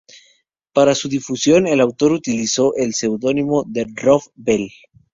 Para su difusión, el autor utilizó el seudónimo de Rob-Vel.